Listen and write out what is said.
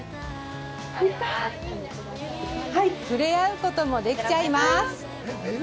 触れ合うことも、できちゃいます。